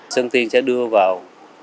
sơn tiên sẽ đưa vào